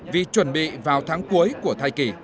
vì chuẩn bị vào tháng cuối của thai kỳ